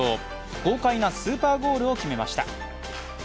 豪快なスーパーゴールを決めました。